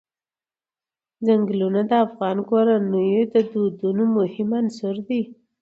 چنګلونه د افغان کورنیو د دودونو مهم عنصر دی.